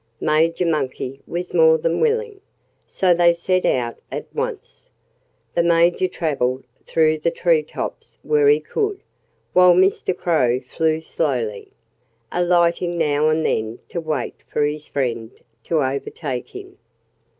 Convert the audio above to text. Major Monkey was more than willing. So they set out at once. The Major travelled through the tree tops where he could, while Mr. Crow flew slowly, alighting now and then to wait for his friend to overtake him.